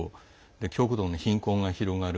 極度の貧困が広がる